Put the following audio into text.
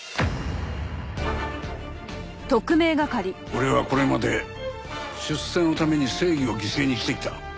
俺はこれまで出世のために正義を犠牲にしてきた。